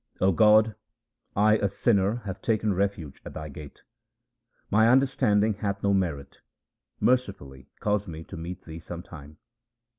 O God, I a sinner have taken refuge at Thy gate. My understanding hath no merit ; mercifully cause me to meet Thee some time.